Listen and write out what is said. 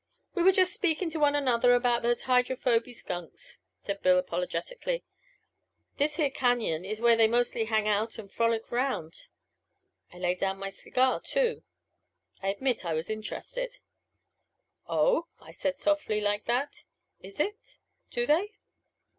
"We were just speakin' to one another about them Hydrophoby Skunks," said Bill apologetically. "This here Cañon is where they mostly hang out and frolic 'round." I laid down my cigar, too. I admit I was interested. "Oh!" I said softly like that. "Is it? Do they?"